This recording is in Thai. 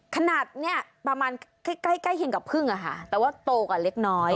ขนาดเนี่ยประมาณใกล้เคียงกับพึ่งอะค่ะแต่ว่าโตกว่าเล็กน้อย